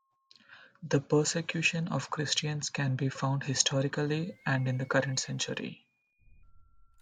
The Persecution of Christians can be found historically and in the current century.